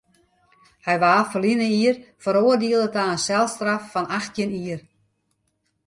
Hy waard ferline jier feroardiele ta in selstraf fan achttjin jier.